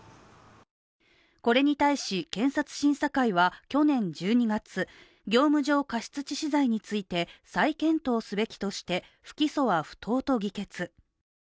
これに対し、検察審査会は去年１２月、業務上過失致死罪について再検討すべきとして、不起訴は不当と議決。